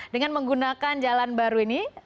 dengan menggunakan jalan baru ini